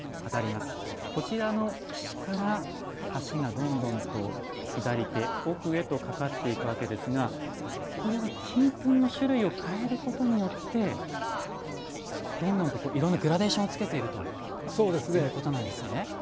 こちらの岸から橋がどんどんと左手奥へと架かっていくわけですがこれは金粉の種類を変えることによってどんどんと色のグラデーションをつけているということなんですね。